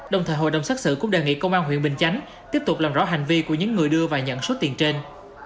đồng thời hội đồng xét xử cũng đề nghị công an huyện bình chánh tiếp tục làm rõ hành vi của những người đưa và nhận số tiền trên